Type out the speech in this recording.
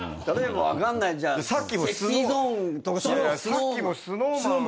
さっきもＳｎｏｗＭａｎが。